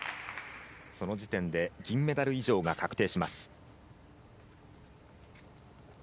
その時点で銀メダル以上が確定します。